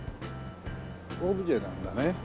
オブジェなんだね。